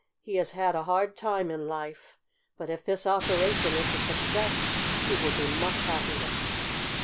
He has had a hard time in life, but if this operation is a success he will be much happier."